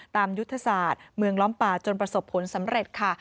ยุทธศาสตร์เมืองล้อมป่าจนประสบผลสำเร็จค่ะ